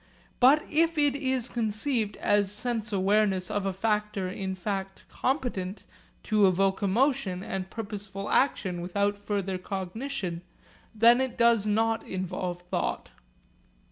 But if it is conceived as sense awareness of a factor in fact competent to evoke emotion and purposeful action without further cognition, then it does not involve thought.